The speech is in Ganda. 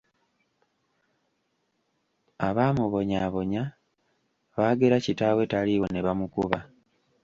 Abaamubonyaabonya baagera kitaawe taliiwo ne bamukuba.